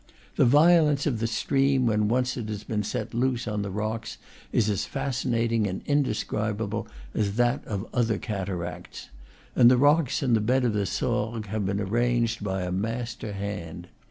The violence of the stream when once it has been set loose on the rocks is as fascinating and indescribable as that of other cataracts; and the rocks in the bed of the Sorgues have been arranged by a master hand.